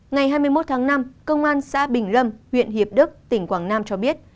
ngày hai mươi một tháng năm công an xã bình lâm huyện hiệp đức tỉnh quảng nam cho biết